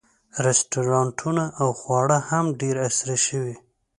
رسټورانټونه او خواړه هم ډېر عصري شوي.